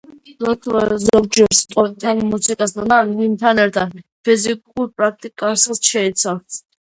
ლოცვა ზოგჯერ სიტყვებთან, მუსიკასთან ან ჰიმნთან ერთად ფიზიკურ პრაქტიკასაც შეიცავს.